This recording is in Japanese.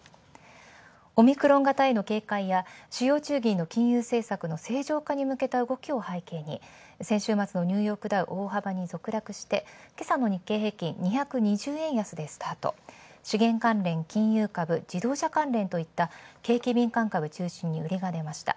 オミクロン型への警戒や正常化に向けた動きを背景に先週末のニューヨークダウ、大幅に続落してけさの日経平均、２２０円安でスタート、資源関連金融株自動車関連などといった景気敏感株中心に売りがでました。